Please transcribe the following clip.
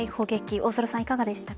大空さん、いかがでしたか？